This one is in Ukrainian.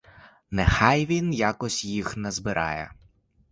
Нехай він якось їх назбирає.